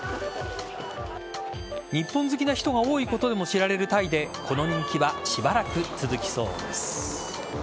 日本好きな人が多いことでも知られるタイでこの人気はしばらく続きそうです。